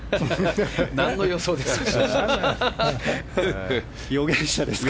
何の予想ですか。